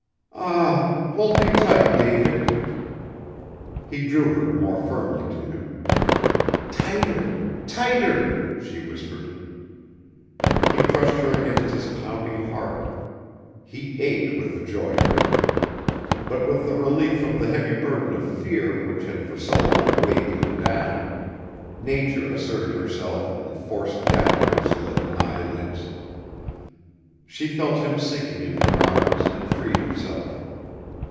"Ah! hold me tight, David." He drew her more firmly to him. "Tighter! Tighter!" she whispered. He crushed her against his pounding heart. He ached with the joy of it. But with the relief from the heavy burden of fear which had for so long weighed him down, nature asserted herself and forced down his leaden eyelids. She felt him sinking in her arms and freed herself.